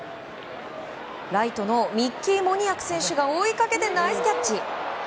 ライトのミッキー・モニアク選手が追いかけてナイスキャッチ！